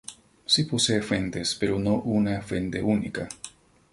Sí posee fuentes, pero no una fuente única.